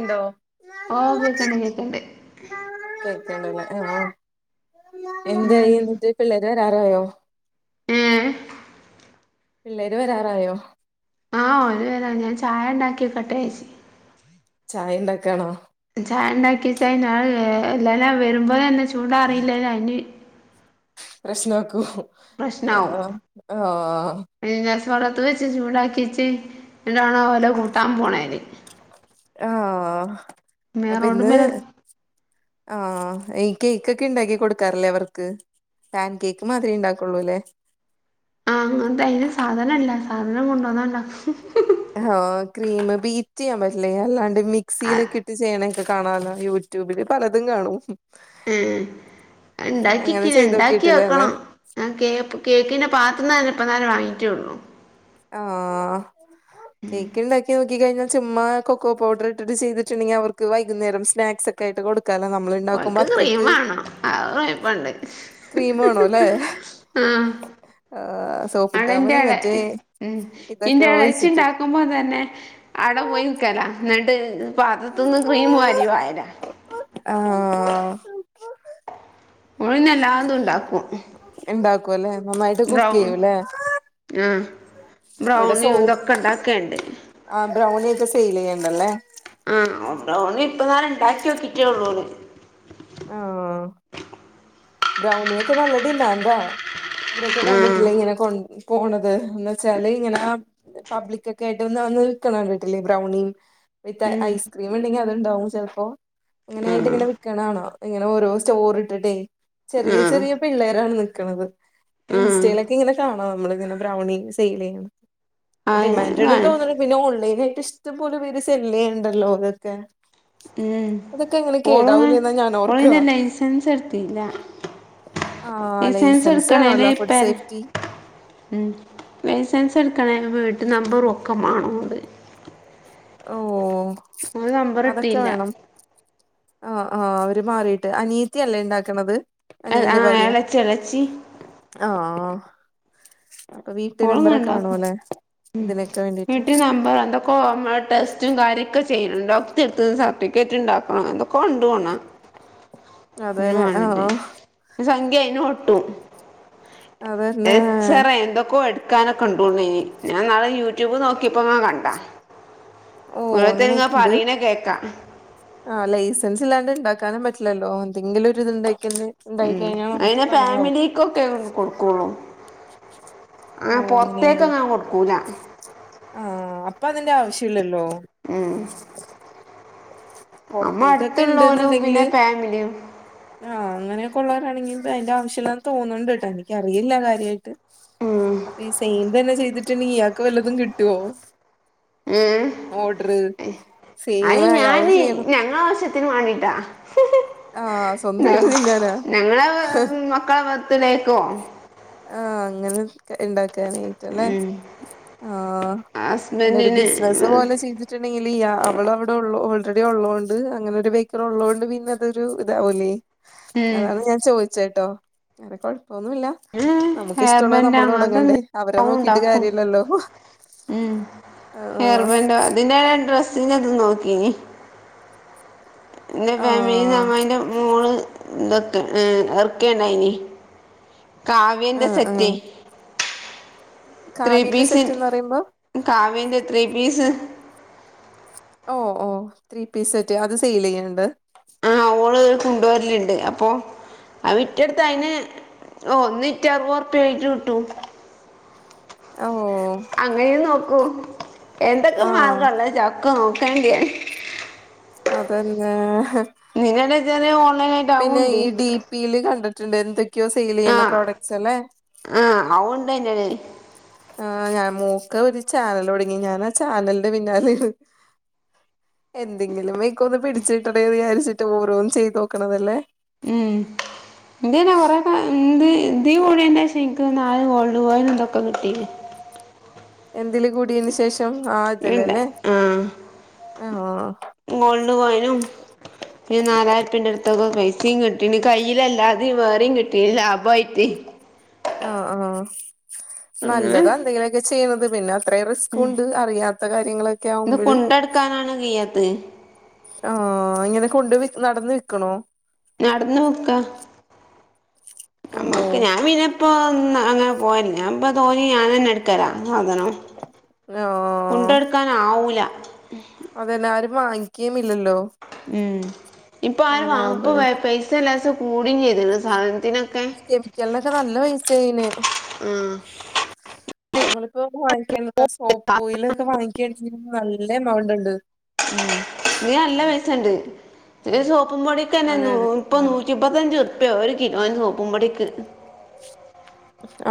ഉണ്ടോ ഓ കേക്കണ്ട് കേക്കണ്ട് ഉം എന്തായിന്നിട്ട് പിള്ളേര് വാരറായോ ഏ പിള്ളേര് വരാറായോ? ആഹ ഒരു വരാനായി ഞാൻ ചായ ഉണ്ടാക്കി വക്കെട്ടയച്ചി. ചായണ്ടൊക്കൊണോ? ചായ ഉണ്ടാക്കിച്ചാ നാളിലെ വരുമ്പോൾന്നെ ചൂടാ അറിയില്ലഞ്ഞ അയിന് പ്രശ്നാക്കൂ ആഹ് പിന്ന സ് വളത്ത് വെച്ച് ചൂടാക്കിച്ച് എണ്ടണ വോലോ കൂട്ടാൻ പോണ രി ആഹ മേ അപ്പിന്ന് റോഡ്മ്മല് ആഹ ഈ കേക്ക്ക്കെ ഉണ്ടാക്കി കൊടുക്കാറില്ലേ അവർക്ക് പാൻ കേക്ക് മാത്രമേ ഉണ്ടാക്കുള്ളൂ അല്ലേ. അങ്ങനത്തെതിന് സാധനം ഇല്ല സാധനം കൊണ്ടോന്നണ്ടാക്കും ഹോ ക്രീം ബീറ്റ് ചെയ്യാൻ പറ്റില്ലേ അല്ലാണ്ട് മിക്സിൽകി ട്ടേ ചെയ്യണ ഒക്കെ കാണല്ലോ യൂട്യൂബില് പലതും കാണും. ഉം അങ്ങനെ ഇണ്ടാക്കിക്കണ് ചെയ്ത് ഇണ്ടാക്കി നോക്കിട്ടില്ല അല്ലെ നോക്കണം. ആ കേക്ക് കേക്കിൻ്റെ പാത്രന്നെ ഇപ്പന്നാരെ വാങ്ങിട്ടേയള്ളൂ. ആഹ് കേക്ക്ണ്ടാക്കി നോ ണ്ടാക്കി കഴിഞ്ഞാൽ ചുമ്മാ കൊക്കോ പൗഡർ ഇട്ടിട്ട് ചെയ്തിട്ടുണ്ടെങ്കിൽ അവർക്ക് വൈകുന്നേരം സ്നാക്സ് ഒക്കെയായിട്ടേ കൊടുക്കാലോ നമ്മൾ ഉണ്ടാക്കുമ്പോ ഓനെകെ ക്രീം അത്രയ്ക്ക് വേണം [unintelligible] കൊയപ്പണ്ട്. ക്രീം വേണോല്ലേ ആ സോപ്പിട്ടാ അടന്റെ മതി അട മറ്റേ ഉം ഇതൊക്കെ ഇന്റെ ഒഴിച്ചിട്ട് എളെച്ചിണ്ടാ നക്കുമ്പോ തന്നെ അടെ പോയി നിക്കല എന്നിട്ട് പാത്രത്തുനിന്ന് ക്രീം [unintelligible] ആഹ് ഓളഴിന്‌ എല്ലാതും ഉണ്ടാക്കും. ഉണ്ടാക്കുല്ലെ നന്നായിട്ട് കുക്ക് ചെയ്യൂല്ലേ ആഹ് ബ്രൗണിയും ഇതൊക്കെ ഇണ്ടാക്കണ്ട്. ആ ബ്രൗണി ഒക്കെ സെയിൽ ചെയ്യണ്ടല്ലേ. ഉം ബ്രൗണി ഇപ്പനാരെ ഉണ്ടാക്കി നോക്കിട്ടേള്ളൂള് ആഹ് ബ്രൗണിയൊക്കെ നല്ലടിമാന്റാ ഇവിടെക്കെ ആഹ് കണ്ടിട്ടില്ലേ ഇങ്ങനെ കൊ പോണത് എന്ന് വെച്ചാല് ഇങ്ങനെ പബ്ലിക്ക ഒക്കെ ആയിട്ട് ഒന്ന അന്ന് വിൽക്കണ കണ്ടിട്ടില്ലേ ബ്രൗണി. വിത്ത് ഉം ഐസ്ക്രീം ഉണ്ടെങ്കിൽ അത്ണ്ടാവും ചിലപ്പോ ഇങ്ങനെയായിട്ട് ആഹ് ഇങ്ങനെ വിക്കണ് കാണാം ഇങ്ങനെ ഓരോ സ്റ്റോർ ഇട്ടിട്ടെ ചെറിയ ആഹ് ചെറിയ പിള്ളേരാണ് നിക്കണത്. ഇൻസ്റ്റയിലൊക്കെ ഇങ്ങനെ കാണാം. നമ്മളിങ്ങനെ ബ്രൗണി സെയിൽ ചെയ്യണ്. അ ഡിമാൻഡ് ആഹ് ഇണ്ടെന്നെ ആഹ് തോന്നണേ പിന്നെ ഓൺലൈൻ ആയിട്ട് ഇഷ്ടപോലെ പേര് സെല് ചെയ്യണ്ടല്ലോ അതൊക്കെ അതൊക്കെ എങ്ങനെ കേടാവൂലേ എന്നാ ഞാൻ ഓർ അയിന് ലൈസൻസ് എടുത്തില്ല. ആ ലൈസൻസ് ലൈസൻസെടുക്കണനെ വേണല്ലോ [unintelligible] ഫുഡ് സേഫ്റ്റി ഉം ലൈസൻസ് എടുക്കണനെ വീട്ട് നമ്പറും ഓക്കേമണടെ ഓ ഓള് നമ്പർ അതൊക്കെ ഇട്ടില്ല വേണം. ആഹ് ആഹ് അവര് മാറിട്ട് അനീത്തിയല്ലേ ഇണ്ടാക്കണത്. ആ അനിയന്റെ ഭാര്യ എളച്ചി എളച്ചി ആഹ് അപ്പൊ വീട്ട ഓള്ങ്ങനെ നമ്പറൊക്കെ ഇണ്ടാക്കും വേണല്ലേ ഇതിനൊക്കെ വേണ്ടീട്ട്. വീട്ടി [unintelligible] ടെസ്റ്റും കാര്യൊക്കെ ചെയ്യണ ഡോക്ട എടുത്തന്ന് സർട്ടിഫിക്കറ്റ് ഉണ്ടാക്കണം എതൊക്കെ ഇണ്ട് [unintelligible] ഇതിനു അതെല്ലെ ആ വേണ്ടിട്ടേ ഒരു സംഖ്യ അയിനെ പെട്ടും അതന്നെ എക്സറ എന്തൊ കൊടുക്കാനൊക്കെ ണ്ടൂന്നേ ഞാന്നാള് യൂറ്റൂബ് നോക്കിയപ്പ ങ്ങാ കണ്ടാ ഓ ഓരോത്തരേ ഇങ്ങനെ പറയണേ കേകാം ആഹ് ലൈസൻസ് ഇല്ലാണ്ട് ഉണ്ടാക്കാനും പറ്റില്ലല്ലോ എന്തെങ്കിലും ഒരുര ഇതേണ്ടാകില്ലേ ഇണ്ടാക്കി ഉം കഴിഞ്ഞാൽ നമുക്ക് അതിനെ പണിയാവും [unintelligible] കൊടുക്കുള്ളൂ ഓ ആഹ് പുറത്തേക്കെന്നും കൊടുക്കൂല. ആഹ് അപ്പൊ അതിന്റെ ആവശ്യം ഇല്ലല്ലോ. ഉം നമ്മ പുറത്തേക്കൊക്കെ അടുത്തുള്ളവരും പിന്നെ ഇണ്ട്ന്നണ്ടെങ്കില് ഫാമിലിയും ആഹ് അങ്ങനെ ഉള്ളവരാണെങ്കി അതിന്റെ ആവേശമില്ലാ തോന്നുന്നുണ്ട് കേട്ടോ എനിക്കറിയില്ല കാര്യയിട്ട് ഉം അപ്പൊ ഈ സെയി തന്ന ചെയ്തി റ്റിണ്ടി ഇയാൾക്ക് വല്ലതും കിട്ടോ ഉം സെയിം അയി അയാള് ഞാാന് ചെയ്യണത് ഞങ്ങളാവശ തിനെ വേണ്ടിട്ടാ ആഹ് സ്വന്തായിട്ട് തിന്നാനാ ഞങ്ങളെ മക്കളെ ബ രക്കും ആഹ് അങ്ങനെ ഉണ്ടാക്കാനായിട്ട് അല്ലെ, ഉം ആ നല്ലരു ഹസ്ബൻഡിന് ബിസിനസ് പോലെ ചെയ്തി ട്ട്ണ്ടെങ്കില് ഈ അവളവിടെ ഒള്ള ഓൾറെഡി ഉള്ളോണ്ട് അങ്ങനെ ഒരു ബേയ്ക്കർ ഉള്ളോണ്ട് പിന്നെ അതൊരു ഇതാവലേ. ഉം അതാണ് ഞാൻ ചോദിച്ചത്ട്ടോ, വേറെ കൊഴപ്പൊന്നുല്ല. നമുക്ക് ഹെയർ ഇഷ്ടമുള്ളത് ബാൻഡ് നമ്മള് അങ്ങനത്തെ തുടങ്ങണ്ടേ, അവരെ എന്തെങ്കിലും നോക്കിട്ട് ഉണ്ടാക്കും കാര്യല്ലല്ലോ. അ ആഹ്. കണ്ടോ, അതിന്റെ ഡ്രസ്സിന്റെ തും നോക്കിനി ഇന്റെ ഫാമിലിന്ന് ആഹ് അമ്മായിന്റെ മോള് ഇ [unintelligible] എറക്കീണ്ടായിനി. കാവ്യൻ്റെ ആഹ് ആഹ് സെറ്റേ. ത്രീ കാവ്യന്റെ പീസ്, സെറ്റ്ന്ന് പറയുമ്പോ കാവിയന്റെ ത്രീ പീസ്. ഓഹ്, ഓഹ് ത്രീ പീസ് സെറ്റ് അത് സെയിൽ ചെയ്യ്ന്ണ്ട്. ആഹ്, ഓള് കുണ്ടോരലുണ്ട് അപ്പൊ ആ വിറ്റൊടുത്ത അയിന് ഓഹ്, ഒന്നിറ്റ അറുപത് ഉറുപ്പ്യ ആയിട്ട് കിട്ടും. അഹോ അങ്ങനെയും നോക്കൂ. എന്തൊക്കെ ആഹ് മാർഗണ്ടോ ച്ചക്ക നോക്കേണ്ടി. അതന്നേ നിങ്ങളുടെ വിചാരം ഓൺലൈൻ ആയി പിന്നെ ഈ ഡി പി യില് കണ്ടിട്ടുണ്ട് എന്തൊക്കെയോ സെയിൽ ചെയ്യണ പ്രോഡക്ട്സ് അല്ലേ. ആഹ് അവുണ്ടന്നേ ആഹ് ഞാ മോക്ക് ഒരു ചാനല് തുടങ്ങി. ഞാൻ ആ ചാനലിന്റെ പിന്നാലെ ആണ്. എന്തെങ്കിലും വഴിക്ക് ഒന്ന് പിടിച്ചിട്ടട്ടെന്ന് വിചാരിച്ചിട്ട് ഓരോന്ന് ചെയ്ത് നോക്കണതല്ലേ ഉം ഇന്ത്ന്നെ കൊറെേക്ക എന്ത് ഇ കൂടിയന്റെ ശേഷം ഇൻക് നാല് ഗോൾഡ് കോയിനും ഇതൊക്കെ കിട്ടിണ്. എന്തില് കൂടിയന് ശേഷം? ഇണ്ട ആതല്ലല്ലേ, ആഹ് മോൾഡ് കോയ്നും ഒര് നാലായിരുർപ്യന്റെ അടുത്തൊക്കെ പൈസിം കിട്ടീണ് കയ്യില അല്ലാതെ വേറിം കിട്ടീണ് ലാഭായിട്ട് ആഹ് ആഹ്, അങ്ങനെ നല്ലതാ എന്തെങ്കിലൊക്കെ ചെയ്യണത് പിന്നെ അത്രയും റിസ് ക്കുണ്ട് അറിയാത്ത കാര്യങ്ങളൊക്കെ ഇത് ആവുമ്പഴ്. കൊണ്ടട്ക്കാനാണ് കയ്യാത്തത് ആഹ് ഇങ്ങനെ കൊണ്ട് വി നടന്നു വിക്കണോ? നടന്ന് വിക്ക, ഓഹ് നമ്മക്ക് ഞാൻ പിനെ പ്പൊ അന്ന അങ്ങനെ പോവല്ല്ല ഇപ്പ തോനിം ഞാൻ തന്നെ എടുക്കലാ സാധനം. ഹലോ... ക്കാനാ ആവൂല അതന്നെ ആരും വാങ്ങിക്കയും ഇല്ലല്ലോ. ഉം, ഇപ്പൊ ആര് വാങ്ങു ഇപ്പോ ആവുമ്പോഴ് പൈസ ലേസം കൂടിം ചെയ്ത്ണ് സാധനത്തിന് ഒ കെമിക്കലിനൊക്കെ നല്ല പൈസ ആയിണ്. ആ നമ്മളിപ്പോ വാങ്ങിക്കണ്ട സോപ്പ് ഓയില് ഒക്ക വാങ്ങിക്ക്യാനിച്ചങ്കില് നല്ല എമൗണ്ട്ണ്ട്. ഉം, ഇതിന് നല്ല പയിസണ്ട്. ഇതില് സോപ്പും പൊടിക്കന്നെ അതെ നൂ അതെ പ്പത് നല്ല നൂറ്റിപ്പ മുപ്പത്തഞ്ച് ഉറിപ്പ്യ ഒരു കിലോന് സോപ്പുംപൊടിക്ക്.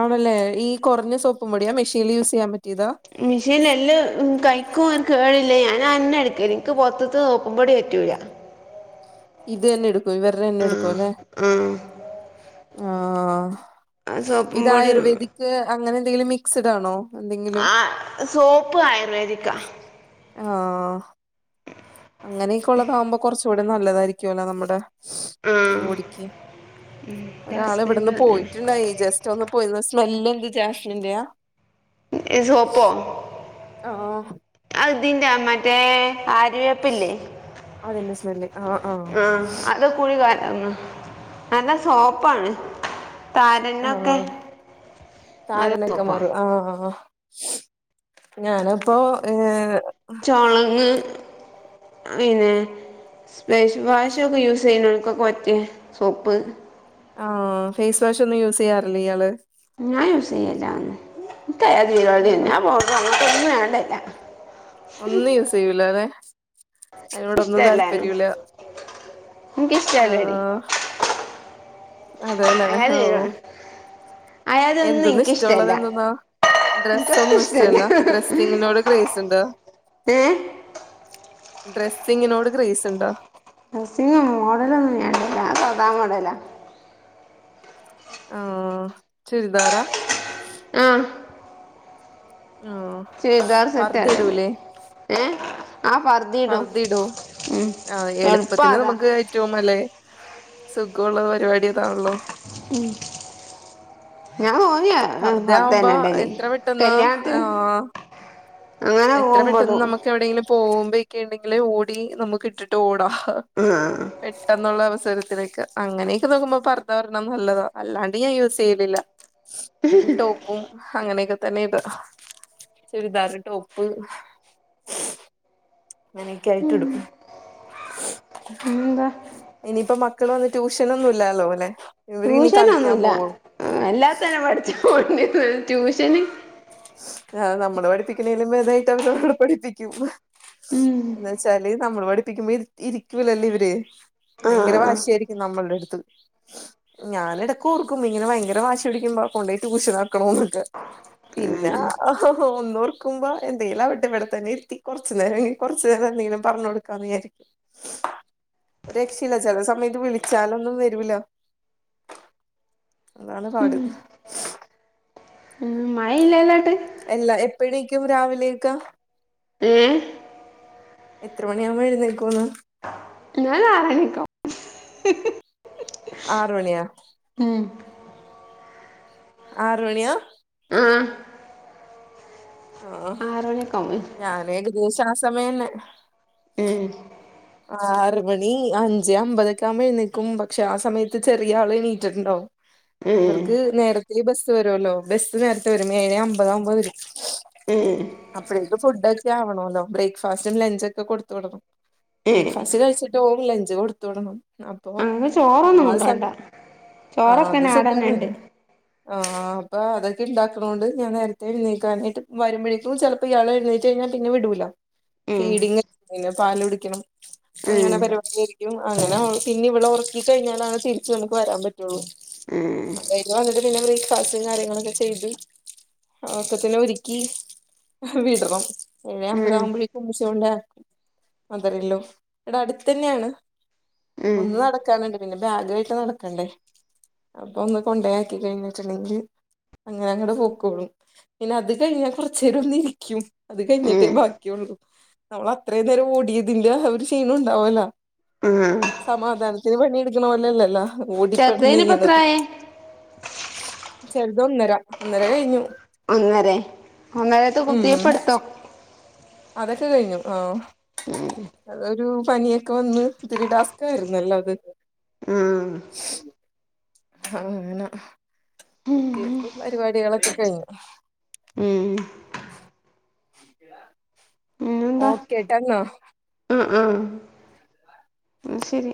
ആണല്ലേ, ഈ കൊറഞ്ഞ സോപ്പും പൊടിയാ മെഷീനില് യൂസ് ചെയ്യാൻ പറ്റിയതാ മിഷീൻലെല്ലം കയിക്കും കേടില്ല ഞാൻ അന്നേ എടുക്കല് നിക്ക് പൊറത്ത്തെ സോപ്പും പൊടി പറ്റൂല. ഇത് തന്നെ എടുക്കു ഇവര്‌ടെ തന്നെ ആ എടുക്കു അല്ലെ. ആ ആഹ് ആ സോപ്പും ഇത് പൊടി ആയുർവേദിക് അങ്ങനെ എന്തെങ്കിലും മിക്സ്ഡ് ആണോ? എന്തെങ്കിലും ആഹ്, സോപ്പ് ആയുർവേദിക്ക. ആഹ് അങ്ങനെയൊക്കെ ഉള്ളതാകുമ്പോ കൊറച്ചും കൂടി നല്ലതായിരിക്കുവല്ലോ നമ്മടെ. ആ ബോടിക്ക്ക്ക്യയ് എൻ്റെ ഒരാള് ഹസ്ബൻഡ് ഇവിടുന്ന് പറഞ്ഞാണ് പോയിട്ടുണ്ടായി ജസ്റ്റ് സ്റ്റൊന്ന് പോയിരുന്നു. സ്മെല്ല് എന്ത് ജാസ്മിന്റെയാ? ഏ സോപ്പോ? ആഹ് അത്‌ തിന്റാ മറ്റേ ആ വേപ്പ് ല്ലേ, അതിന്റെ സ്മെല്ല് ആഹ് ആഹ് അത് കൂടി കലർന്നാ, നല്ല സോപ്പാണ്. താരനൊക്കെ ആഹ് നല്ല താരനോക്കെ സോപ്പാണ് മറും ആഹ് ഞാന് പ്പോ ഏഹ് ചോളങ്ങ് പിന്നെ സ്പഷ് വാഷൊക്കെ യൂസ് ചെയ്യുന്നോൽകക്ക പറ്റെ സോപ്പ് ആഹ് ഫേസ് വാഷ് ഒന്നും യൂസ് ചെയ്യാറില്ല ഇയാള് ഞാൻ യൂസ് ചെയ്യല്ലന്നും ഇക്ക് അയാതി പരുപാടി ആഹ് ഞാൻ അങ്ങട്ടൊന്നും ഞാൻ ഇടല്ല ഒന്നും യൂസ് ചെയ്യൂലലെ അതിനോട് ഒന്നും താല്പര്യില്ല ഇൻക് ഇഷ്ടല്ലടി അതെലെ അയാത് ഓ പരിപാടി അയാതൊന്നും എന്ത്‌ ന്നാ ഇഷ്ടള്ളത് എനിക്കിഷ്ടമല്ല എന്തന്നാ ഡ്രസ്സ എനിക്കൊക്കെ ഒന്നും ഇഷ്ടമല്ല ഇഷ്ടല്ല ഡ്രസ്സിങ്ങിനോട് ഗ്രൈസ് ഉണ്ടോ ഏഹ് ഡ്രസ്സിങ്ങിനോട് ക്രൈസ് ണ്ടോ ഡസിംഗും മോഡലൊന്നും ഞാൻ ഇടലില്ല ഞാൻ സദാ മോഡലാ ഓ ചുരിദാറ ആ ആഹ് ചുരിതാർ സെറ്റ ഇടൽ ഏഹ് ആഹ് പറ് പർദയിടു ആഹ് എളുപ്പാ എളുപ്പത്തിന് അതാ നമുക്ക് ഏറ്റവും നല്ല സുഗോള്ള പരിപാടി താണല്ലോ മം ഞാൻ തോന്നിയാ പർദ്ദ ഫർതന്ന ആവുമ്പോ ഇടല് എത്ര പെട്ടെന്ന് കല്യാണത്തിന് ആ അങ്ങനെ എത്ര പോകുമ്പോ പെട്ടെന്ന് ഇടും നമക്ക് എവിടെങ്കിലും പോകുമ്പോഴൊക്കെ ണ്ടെങ്കില് ഓടി നമക്ക് ഇട്ടിട്ട് ഓടാം ആഹ് പെട്ടെന്നുള്ള അവസരത്തിലോക്ക അങ്ങനെയൊക്കെ നോക്കുമ്പോ പർദ്ധ ഒരണ്ണം നല്ലതാ അല്ലാണ്ട് ഞാൻ യൂസ് ചെയ്യലില്ല ടോപ്പും അങ്ങനെയൊക്കെ തന്നെ ഇട ചുരിദാറ് ടോപ്പ് അങ്ങനൊക്കെ ആയിട്ട് ഇടും എന്താ ഇനിയിപ്പ മക്കൾ വന്ന് ട്യൂഷനോന്നും ഇല്ലാലോ ലെ ട്യൂഷനോന്നുല്ല എല്ലാത്തന്നെ പഠിച്ച് [unintelligible] ട്യൂഷന് ആഹ് നമ്മള് പഠിപ്പിക്കുന്നതിലും മേതെ ആയിട്ട് അവര് ഇവടെ പഠിപ്പിക്കും ഉം. എന്ന് ച്ചാല് നമ്മള് പഠിപ്പിക്കുമ്പോ ഇരി ഇരിക്കൂലല്ലേ ഇവര് ആ ഭയങ്കര ആ. വാഷിയായിരിക്കും നമ്മള്ടെ അടുത്ത് ഞാനെടക്ക് ഓർക്കും ഇങ്ങനെയങ്കര വാശി പിടിക്കുമ്പോ കൊണ്ടോയി ട്യൂഷന് ആക്കണന്നൊക്കെ പിന്ന ഉം. ആഹാ ഒന്നോർക്കുമ്പോ എന്തേലും ആവട്ടെ ഇവിടെ തന്നെ ഇരുത്തി കൊറച്ചു നേരംങ്കി കുറച്ചു നേരം എന്തെങ്കിലും പറഞ്ഞു കൊടുക്കാന്ന് വിചാരിക്കും രക്ഷല്ല ചെല സമയത്ത് വിളിച്ചാലൊന്നും വരുല അതാണ് പാട് ഉമ് മഴ ഇല്ലല്ലാട്ട് എല്ലാ എപ്പഴേക്കും രാവിലെയൊക്കെ ഏഹ് എത്ര മണിയ ആവുമ്പോ എഴുന്നേക്കോന്ന് ഞാൻ ആറണിക്കോ ആറ് മണിയാ ഉം ആറ്മണിയ ആഹ് ആഹ് ഉം ഞാന് ഏകദേശം ആ സമയന്നെ ആറ മണി അഞ്ച് അമ്പതൊക്കെ ആവുമ്പോ എഴുന്നക്കും പക്ഷെ ആ സമയത്ത് ചെറിയ ആൾ എണീറ്റിട്ട്ണ്ടവും [inaudible] ഉം ഇവർക്ക് നേരത്തെ ബസ്സ് വരുല്ലോ ബസ് നേരത്തെ വരും ഏഴേ അമ്പത് ആവുമ്പോ വരും ഉം അപ്പോഴേക്ക് ഫുഡ ഒക്കെ ആവണല്ലോ ബ്രേക്ക്ഫാസ്റ്റും ലഞ്ച് ഒക്കെ കൊടുത്ത വിടണം ഉം ബ്രേക്ക്ഫാസ്റ്റ് കഴിച്ചിട്ട് ഓം ലഞ്ച് കൊടുത്ത് വിടണം അപ്പൊ ഞങ്ങക്ക് ആ ചോറൊന്നും സമ കൊണ്ടോണ്ട ആഹ് അത് ചോറൊക്കെന്നെ സുഖാണ് ആടെന്നെണ്ട് ആഹ് അപ്പൊ അതൊക്കെ ഇണ്ടാക്ക്ണോണ്ട് ഞാൻ നേരത്തെ എഴ്ന്നേക്കാനായിട്ട് വരുമ്പോഴേക്ക് ചെ ഇയാള് എഴുന്നേറ്റ് കഴിഞ്ഞാ പിന്നെ വിടൂല. ഉം ഫീഡിങ്ങെ പാല് കുടിക്കണം ഉം അങ്ങനെ പരിപാടി അങ്ങനെ പിന്നെ ഇവളെ ഒറക്കി കഴിഞ്ഞാലാണ് തിരിച്ചു നമുക്ക് വരാൻ പറ്റുള്ളൂ. ഉം അത് കയിഞ്ഞ് വന്നിട്ട് പിന്നെ ഫ്രീ [unintelligible] കാര്യങ്ങളൊക്കെ ചെയ്ത് ഒക്കത്തിനെ ഒരുക്കി വിടണം. എഴേ അമ്പത് ഉം ആവ്മ്പയെക്കും [unintelligible] ഇവരെല്ലും ഇവടെ അട്ത്തെന്നേണ്. ഉം ഒന്ന് നട ക്കാന്ണ്ട്. പിന്നെ ബാഗ് ആയിട്ട് നടക്കണ്ടേ അപ്പൊ ഒന്ന് കൊണ്ടയാക്കി കഴിഞ്ഞിട്ട്ണ്ടെങ്കി അങ്ങനങ്ങട് പൊക്കോളും. പിന്നെ അത് കഴിഞ്ഞാ കൊർച്ചേരം ഒന്നിരിക്കും. അത് കഴിഞ്ഞിട്ടേ ഉം ബാക്കിയുള്ളൂ. നമ്മള് അത്രയും നേരം ഓടിയതിന്റെ ഒരു ക്ഷീണ ഉണ്ടാവല്ലാ ആഹ് സമാധാനത്തില് പണിയെടുക്കണ പോലെല്ലലോ ചെറുതേനിപ്പ ഓടിപ്പെട്ഞ്ഞെയ്യണത്. എത്രായി ചെർത് ഒന്നര ഒന്നര കഴിഞ്ഞു. ഒന്നരെ ഒന്നരേത്തെ ഉം കുത്തിവെപ്പ് ട്ത്തോ? അതൊക്കെ കഴിഞ്ഞു. ആഹ് അത് ഒരു പനിയൊക്കെ വന്ന് ഒത്തിരി ടാസ്ക് ആയിരുന്നല്ലോത് ഉം ഉ ആഹ് അങ്ങന ഉം കുത്തിവെപ്പും പരിവാടികളൊക്കെ കഴിഞ്ഞു. ഉം ഓക്കെ ട്ട ന്നാ അഹ് ആഹ് ന്നാ ശരി